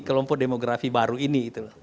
kelompok demografi baru ini